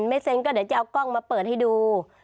ไม่เซ็นก็เดี๋ยวจะเอากล้องมาเปิดให้ดู